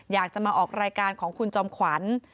อยากจะมาออกรายการของคุณจอมขวัญ